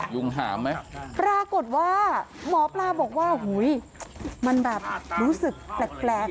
ยุงหามไหมปรากฏว่าหมอปลาบอกว่าหุ้ยมันแบบรู้สึกแปลก